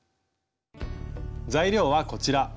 材料はこちら。